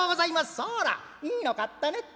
「そらいいの買ったねっと。